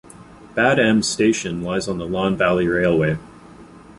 Bad Ems station lies on the Lahn Valley Railway.